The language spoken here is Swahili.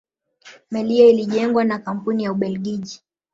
meli hiyo ilijengwa na kampuni ya ubelgiji